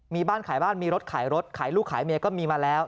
มีบ้านขายบ้านมีรถขายรถขายลูกขายเมียก็มีมาแล้ว